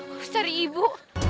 aku harus cari ibu